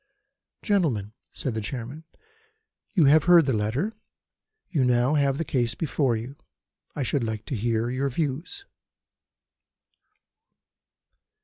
"Gentlemen," said the Chairman, "you have heard the letter; you now have the case before you. I should like to hear your views."